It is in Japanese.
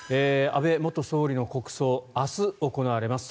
安倍元総理の国葬明日行われます。